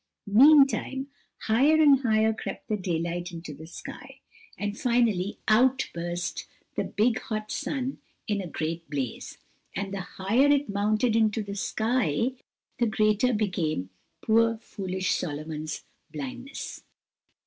Meantime, higher and higher crept the daylight into the sky, and finally out burst the big, hot sun in a great blaze, and the higher it mounted into the sky the greater became poor, foolish Solomon's blindness.